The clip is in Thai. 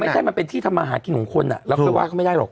ไม่ใช่มันเป็นที่ทำมาหากินของคนเราค่อยว่าเขาไม่ได้หรอก